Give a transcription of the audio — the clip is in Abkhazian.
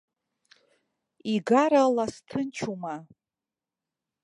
Игара лас ҭынчума?